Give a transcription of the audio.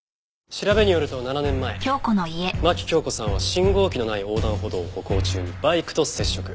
調べによると７年前牧京子さんは信号機のない横断歩道を歩行中にバイクと接触。